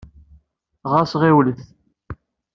Ɣas ɣiwlet.